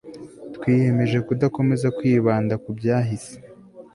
twiyemeje kudakomeza kwibanda ku byahise